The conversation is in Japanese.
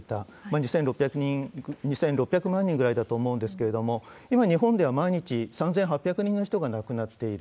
実際に２６００万人ぐらいだと思うんですけれども、今、日本では毎日３８００人の人が亡くなっている。